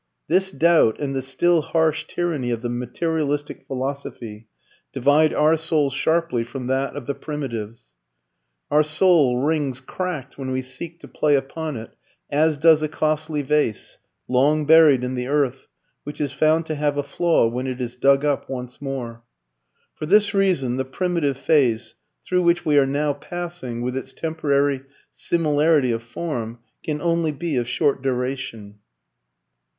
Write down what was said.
This doubt, and the still harsh tyranny of the materialistic philosophy, divide our soul sharply from that of the Primitives. Our soul rings cracked when we seek to play upon it, as does a costly vase, long buried in the earth, which is found to have a flaw when it is dug up once more. For this reason, the Primitive phase, through which we are now passing, with its temporary similarity of form, can only be of short duration.